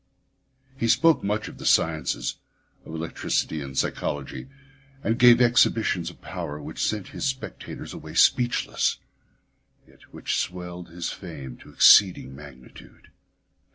He spoke much of the sciences—of electricity and psychology—and gave exhibitions of power which sent his spectators away speechless, yet which swelled his fame to exceeding magnitude.